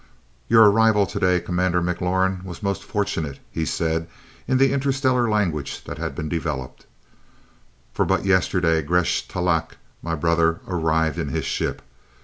"Your arrival today, Commander McLaurin, was most fortunate," he said in the interstellar language that had been developed, "for but yesterday Gresth Talak, my brother, arrived in his ship.